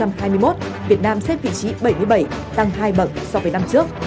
năm hai nghìn hai mươi một việt nam xếp vị trí bảy mươi bảy tăng hai bậc so với năm trước